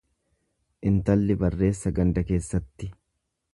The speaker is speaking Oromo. Intalli barreessa ganda keessatti.